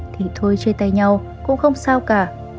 thì thôi chê tay nhau cũng không sao cả